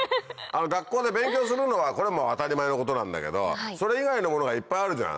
学校で勉強するのはこれはもう当たり前のことなんだけどそれ以外のものがいっぱいあるじゃん。